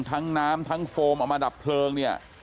น้ำทั้งโฟมเอามาดับเพลิงเนี่ย